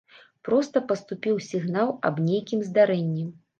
Проста паступіў сігнал аб нейкім здарэнні.